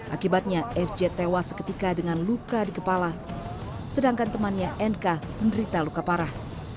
akibatnya fj tewas seketika dengan luka di kepala sedangkan temannya nk menderita luka parah